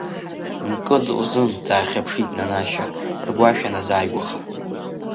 Мкыд лзын, даахьаԥшит Нанашьа, ргәашә ианазааигәаха.